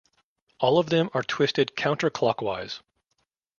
All of them are twisted counterclockwise.